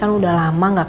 aku bisa duduk aja